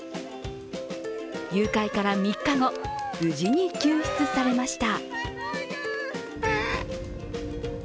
誘拐から３日後、無事に救出されました。